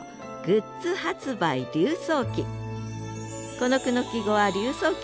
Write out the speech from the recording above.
この句の季語は「柳叟忌」。